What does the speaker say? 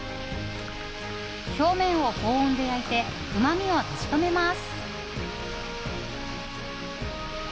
表面を高温で焼いてうまみを閉じ込めます。